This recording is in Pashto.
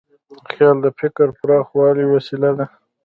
خیال د فکر د پراخوالي وسیله ده.